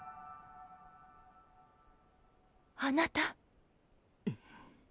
あなた。